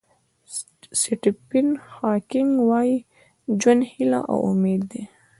سټیفن هاکینګ وایي ژوند هیله او امید دی.